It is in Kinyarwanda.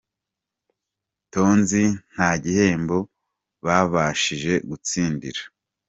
Tonzi nta gihembo babashije gutsindira